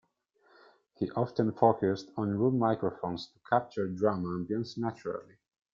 He often focused on room microphones to capture drum ambience naturally.